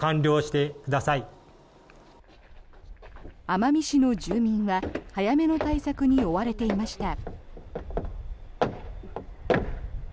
奄美市の住民は早めの対策に追われていました。